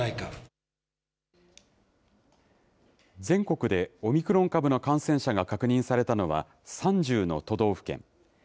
全国でオミクロン株の感染者が確認されたのは３０の都道府県。